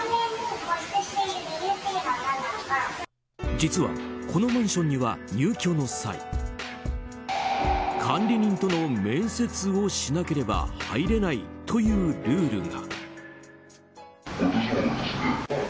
実は、このマンションには入居の際管理人との面接をしなければ入れないというルールが。